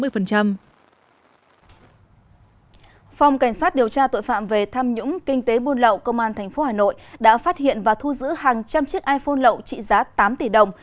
phòng cảnh sát điều tra tội phạm về tham nhũng kinh tế buôn lậu công an tp hà nội đã phát hiện và thu giữ hàng trăm chiếc iphone lậu trị giá tám tỷ đồng